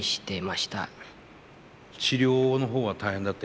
治療の方は大変だった？